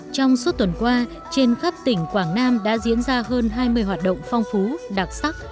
trong suốt tuần qua trên khắp tỉnh quảng nam đã diễn ra hơn hai mươi hoạt động phong phú đặc sắc